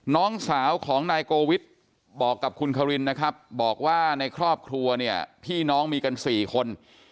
น้องสาวของนายโกวิทย์บอกกับคุณควินนะครับบอกว่าในครอบครัวเนี่ยพี่น้องมีกัน๔คน